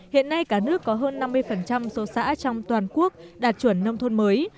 hiện nay cả nước có hơn năm mươi số xã trong toàn quốc đạt chuẩn nông thôn mới